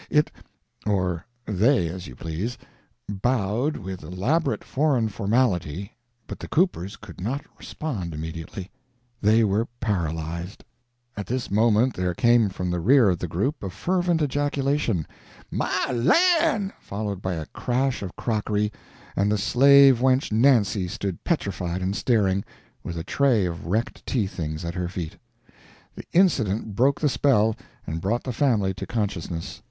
It or they, as you please bowed with elaborate foreign formality, but the Coopers could not respond immediately; they were paralyzed. At this moment there came from the rear of the group a fervent ejaculation "My lan'!" followed by a crash of crockery, and the slave wench Nancy stood petrified and staring, with a tray of wrecked tea things at her feet. The incident broke the spell, and brought the family to consciousness.